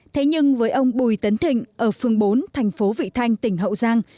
thế nhưng với ông bùi tấn thịnh ở phương bốn thành phố vị thanh tỉnh hậu giang